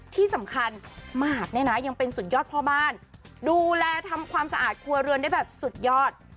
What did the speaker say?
ที่สำคัญหมากเนี่ยนะยังเป็นสุดยอดพ่อบ้านดูแลทำความสะอาดครัวเรือนได้แบบสุดยอด